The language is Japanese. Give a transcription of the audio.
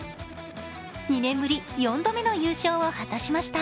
２年ぶり４度目の優勝を果たしました。